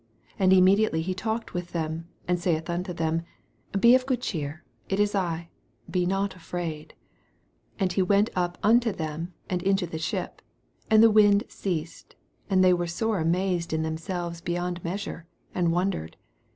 And immediately he talked with them, and saith unto them, Be of good cheer: it is I ; be not afraid. 51 And he went up unto them into the ship : and the wind ceased : and they were sore amazed in themselves beyond measure, and wondered.